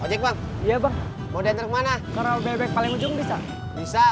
ojek banget iya bang modern mana karo bebek paling ujung bisa bisa